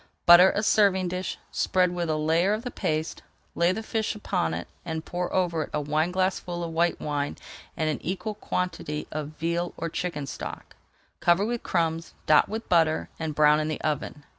Butter a serving dish, spread with a layer of the paste, lay the fish upon it, and pour over it a wineglassful of white wine and an equal quantity of veal or chicken stock. Cover with crumbs, dot with butter, and brown in the oven.